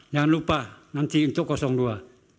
jangan lupa nanti untuk dua